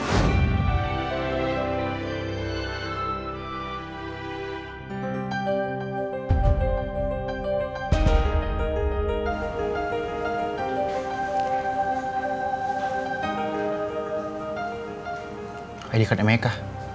saya dekat amerika